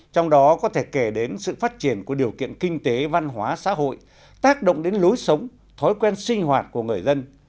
trong đó có thể kể đến sự phát triển của điều kiện kinh tế văn hóa xã hội tác động đến lối sống thói quen sinh hoạt của người dân